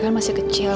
dia kan masih kecil